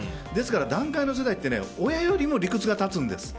団塊の世代って親よりも理屈が立つんです。